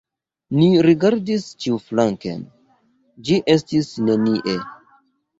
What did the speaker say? Ni rigardis ĉiuflanken – ĝi estis nenie!